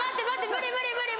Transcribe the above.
無理無理無理無理。